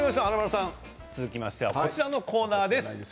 続きましてはこちらのコーナーです。